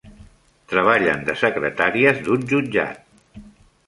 Treballen de secretàries d'un jutjat.